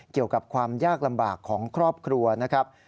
เกี่ยวกับความยากลำบากของครอบครัวนะครับ